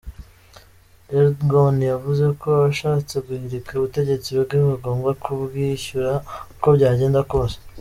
Erdgon yavuze ko abashatse guhirika ubutegetsi bwe bagomba kubyishyura uko byagenda kose.